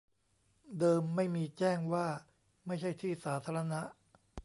เดิมไม่มี แจ้งว่าไม่ใช่ที่สาธารณะ